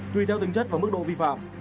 tùy theo tính chất và mức độ vi phạm